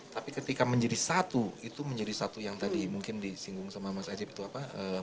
tapi ketika menjadi satu itu menjadi satu yang tadi mungkin disinggung sama mas adip itu apa